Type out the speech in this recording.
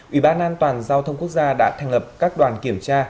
ủy ban an toàn giao thông quốc gia đã thành lập các đoàn kiểm tra